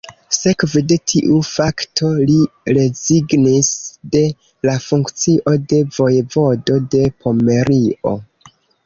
Sekve de tiu fakto li rezignis de la funkcio de Vojevodo de Pomerio.